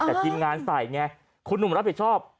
แต่ทีมงานใส่ไงคุณหนุ่มรับผิดชอบ